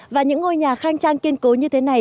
và những ngôi nhà khang trang kiên cố như thế này